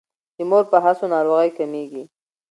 د مور په هڅو ناروغۍ کمیږي.